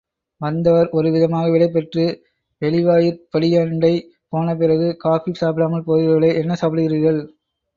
வந்தவர் ஒரு விதமாக விடைபெற்று வெளிவாயிற்படியண்டை போன பிறகு, காஃபி சாப்பிடாமல் போகிறீர்களே என்ன சாப்பிடுகிறீர்கள்?